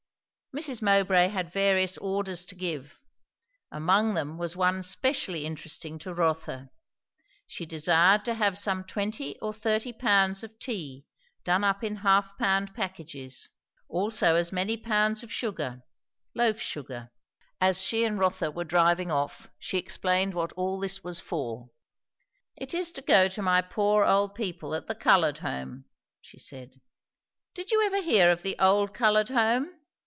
Mrs. Mowbray had various orders to give. Among them was one specially interesting to Rotha. She desired to have some twenty or thirty pounds of tea done up in half pound packages; also as many pounds of sugar; loaf sugar. As she and Rotha were driving off she explained what all this was for. "It is to go to my poor old people at the Coloured Home," she said. "Did you ever hear of the Old Coloured Home?